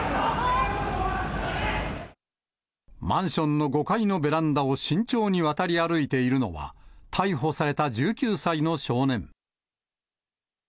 マンションの５階のベランダを慎重に渡り歩いているのは、逮捕された１９歳の少年。